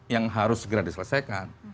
yang harus segera diselesaikan